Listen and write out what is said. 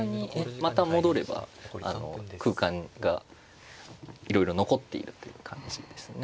また戻れば空間がいろいろ残っているという感じですね。